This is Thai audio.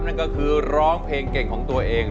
นั่นก็คือร้องเพลงเก่งของตัวเอง